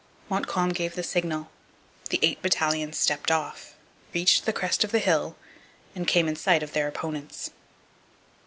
Montcalm gave the signal, the eight battalions stepped off, reached the crest of the hill, and came in sight of their opponents.